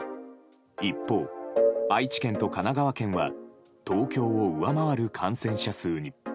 一方、愛知県と神奈川県は東京を上回る感染者数に。